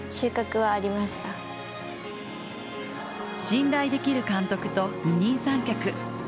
信頼できる監督と、二人三脚。